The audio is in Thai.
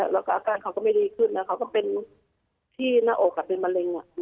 แล้วก็อาการเขาก็ไม่ดีขึ้นแล้วเขาก็เป็นที่หน้าอกเป็นมะเร็ง